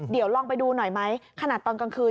เดี๋ยวลองไปดูหน่อยไหมขนาดตอนกลางคืน